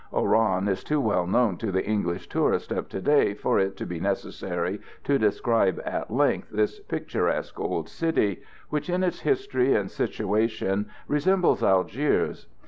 Oran is too well known to the English tourist of to day for it to be necessary to describe at length this picturesque old city; which in its history and situation resembles Algiers.